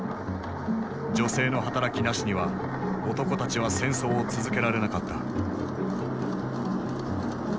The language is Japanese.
女性の働きなしには男たちは戦争を続けられなかった。